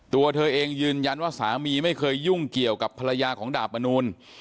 ตัวเธอเองยืนยันว่าสามีไม่เคยยุ่งเกี่ยวกับภรรยาของดาบมนูล